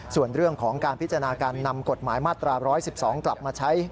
ส่วนเรื่องของการพิจารณาการนำกฎหมายมาตรา๑๑๒กลับมาใช้